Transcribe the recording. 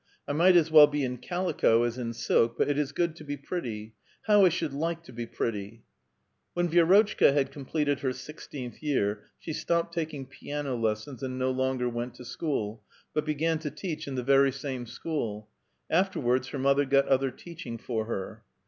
I might as well be in calico as in silk, but it is good to be pretty. How I should like to be pretty !" When Vi^rotchka had completed her sixteenth year she stopped taking piano lessons, and no longer went to school, but began to teach in the very same school : afterwards her mother got other teaching for her.